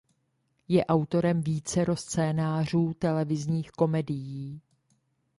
Je autorem vícero scénářů televizních komedií.